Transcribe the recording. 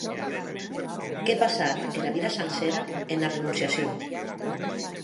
Qu’è passat era vida sancera ena renonciacion!